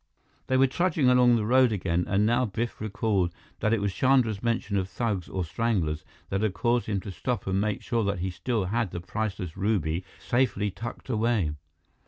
They were trudging along the road again, and now Biff recalled that it was Chandra's mention of thugs, or stranglers, that had caused him to stop and make sure that he still had the priceless ruby safely tucked away.